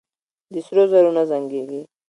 د سرو زرو نه زنګېږي.